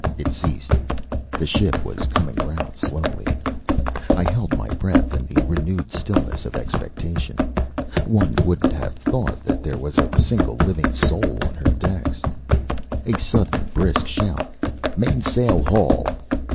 It ceased. The ship was coming round slowly: I held my breath in the renewed stillness of expectation; one wouldn't have thought that there was a single living soul on her decks. A sudden brisk shout, "Mainsail haul!"